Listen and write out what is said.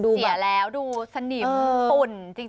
เสียแล้วดูสนิมปุ่น